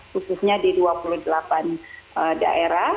khususnya di dua puluh delapan daerah